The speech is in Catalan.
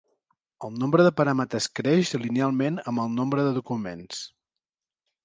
El nombre de paràmetres creix linealment amb el nombre de documents.